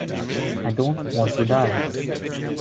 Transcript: I don't want to die.